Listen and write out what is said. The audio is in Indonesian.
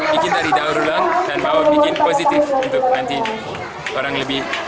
bikin dari daur ulang dan mau bikin positif untuk nanti orang lebih